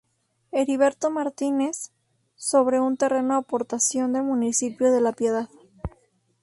Heriberto Martinez, sobre un terreno aportación del municipio de La Piedad.